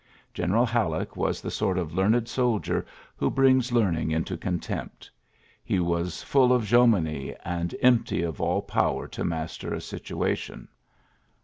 General Halleck was the sort of learned soldier who brings learning into contempt. He was full of Jomini and empty of all power to master a situation.